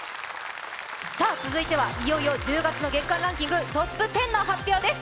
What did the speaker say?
さあ続いてはいよいよ１０月の月間ランキングトップ１０の発表です。